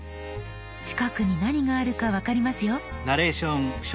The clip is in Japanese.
近くに何があるか分かりますよ。